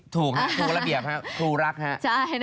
ทูรักฮะ